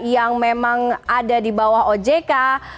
yang memang ada di bawah ojk